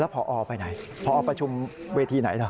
แล้วผอไปไหนผอประชุมเวทีไหนหรือ